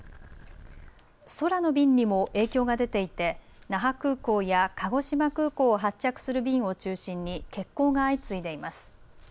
空の便にも影響が出ていて那覇空港や鹿児島空港を発着する便を中心に欠航が相次いでいます。